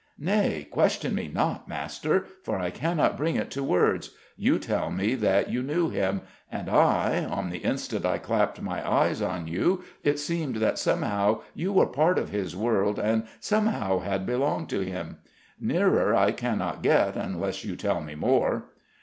"Nay, question me not, master, for I cannot bring it to words. You tell me that you knew him: and I on the instant I clapped eyes on you it seemed that somehow you were part of his world and somehow had belonged to him. Nearer I cannot get, unless you tell me more."